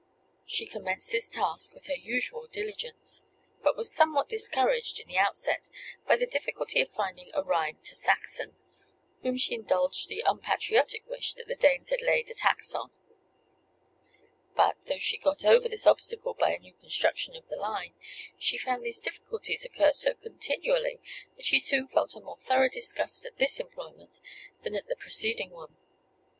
She commenced this task with her usual diligence; but was somewhat discouraged in the outset by the difficulty of finding a rhyme to Saxon, whom she indulged the unpatriotic wish that the Danes had laid a tax on. But, though she got over this obstacle by a new construction of the line, she found these difficulties occur so continually that she soon felt a more thorough disgust at this employment than at the preceding one.